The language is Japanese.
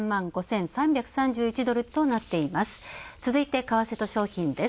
続いて、為替と商品です。